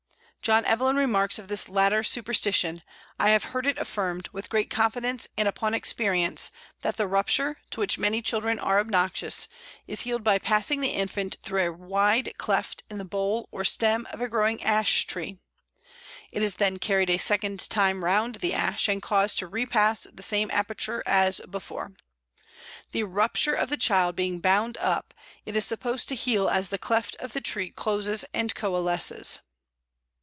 John Evelyn remarks of this latter superstition: "I have heard it affirmed, with great confidence and upon experience, that the rupture, to which many children are obnoxious, is healed by passing the infant through a wide cleft in the bole or stem of a growing Ash tree; it is then carried a second time round the Ash, and caused to repass the same aperture as before. The rupture of the child being bound up, it is supposed to heal as the cleft of the tree closes and coalesces."